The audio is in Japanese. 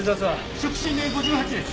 触診で５８です。